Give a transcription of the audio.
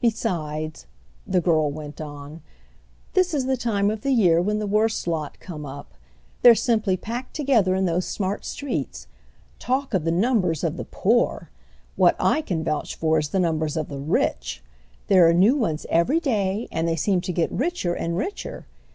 Besides," the girl went on, "this is the time of the year when the worst lot come up. They're simply packed together in those smart streets. Talk of the numbers of the poor! What I can vouch for is the numbers of the rich! There are new ones every day, and they seem to get richer and richer.